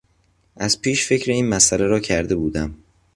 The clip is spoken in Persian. از پیش فکر این مسئله را کرده بودم.